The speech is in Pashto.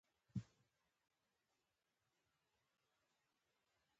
د احمدشاه بابا معاصر و.